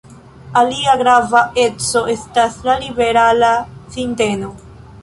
Alia grava eco estas la liberala sinteno.